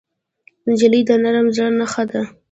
نجلۍ د نرم زړه نښه ده.